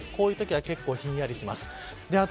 こういうときは結構ひんやりします。